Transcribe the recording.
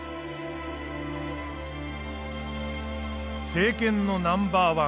政権のナンバー１